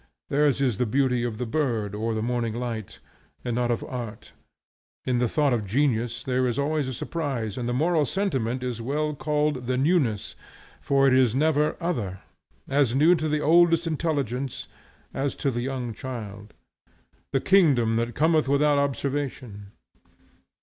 Theirs is the beauty of the bird or the morning light, and not of art. In the thought of genius there is always a surprise; and the moral sentiment is well called "the newness," for it is never other; as new to the oldest intelligence as to the young child; "the kingdom that cometh without observation."